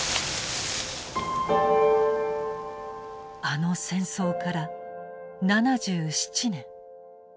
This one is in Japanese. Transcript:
あの戦争から７７年。